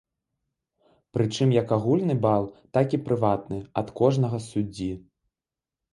Прычым як агульны бал, так і прыватны, ад кожнага суддзі.